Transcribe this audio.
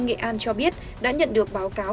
nghệ an cho biết đã nhận được báo cáo